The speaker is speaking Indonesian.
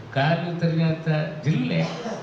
kalau ternyata jelek